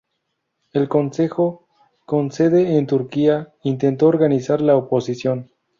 El consejo, con sede en Turquía, intentó organizar la oposición.